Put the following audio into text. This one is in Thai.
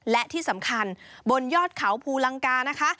และที่สำคัญบนยอดเขาภูลังกานะคะ